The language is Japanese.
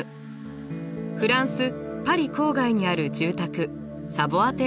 フランス・パリ郊外にある住宅サヴォア邸です。